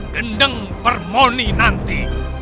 gendeng permoni nanti